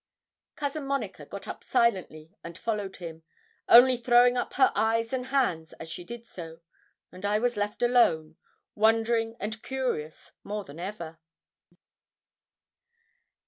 Cousin Monica got up silently and followed him, only throwing up her eyes and hands as she did so, and I was left alone, wondering and curious more than ever.